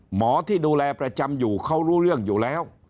หมอที่ดูแลประจำอยู่เขารู้เรื่องอยู่แล้ว